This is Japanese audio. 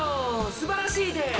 すばらしいです！